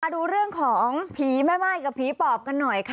ดูเรื่องของผีแม่ม่ายกับผีปอบกันหน่อยค่ะ